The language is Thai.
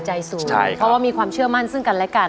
ใจสูงเพราะว่ามีความเชื่อมั่นซึ่งกันและกัน